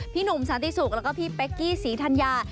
พี่หนุ่มสันติสุขแล้วก็พี่เป๊กกี้ศรีธรรยา